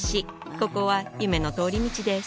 ここは夢の通り道です